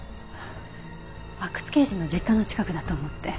阿久津刑事の実家の近くだと思って。